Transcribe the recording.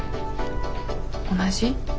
同じ？